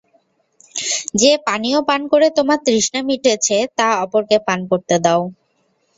যে পানীয় পান করে তোমার তৃষ্ণা মিটেছে, তা অপরকে পান করতে দাও।